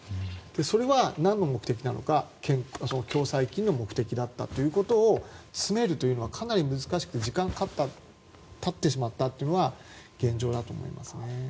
それは何の目的なのか共済金の目的だったということを詰めるというのはかなり難しく時間がかかってしまったというのが現状だと思いますね。